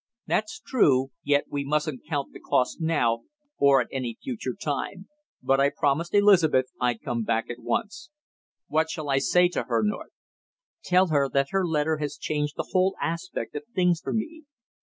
"That's true; yet we mustn't count the cost now, or at any future time. But I promised Elizabeth I'd come back at once. What shall I say to her, North?" "Tell her that her letter has changed the whole aspect of things for me.